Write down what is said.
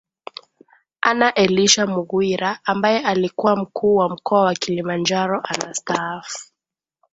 Anna Elisha Mghwira ambaye alikuwa mkuu wa mkoa wa Kilimanjaro anastaafu